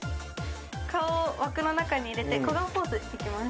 顔を枠の中に入れて小顔ポーズいきます